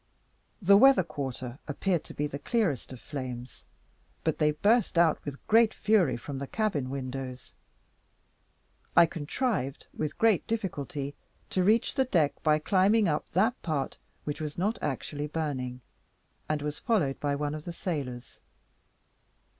The weather quarter appeared to be clearest of flames, but they burst out with great fury from the cabin windows. I contrived, with great difficulty, to reach the deck, by climbing up that part which was not actually burning, and was followed by one of the sailors.